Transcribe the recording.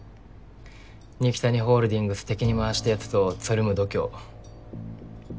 二木谷ホールディングス敵に回したやつとつるむ度胸。